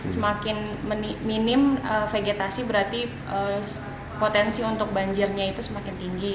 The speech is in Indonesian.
semakin minim vegetasi berarti potensi untuk banjirnya itu semakin tinggi